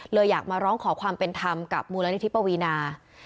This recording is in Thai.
อยากมาร้องขอความเป็นธรรมกับมูลนิธิปวีนา